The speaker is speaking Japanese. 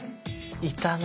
いたな。